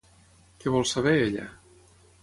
Què vol saber ella?